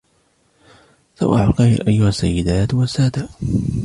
صباح الخير, أيها السيدات والسادة!